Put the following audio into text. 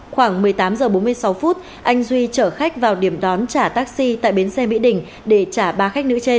khoảng một mươi tám h bốn mươi sáu phút anh duy chở khách vào điểm đón trả taxi tại bến xe mỹ đình